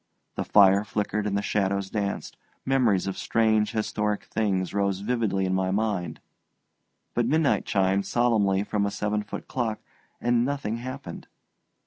The fire flickered and the shadows danced, memories of strange historic things rose vividly in my mind; but midnight chimed solemnly from a seven foot clock, and nothing happened.